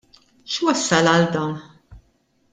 X'wassal għal dan?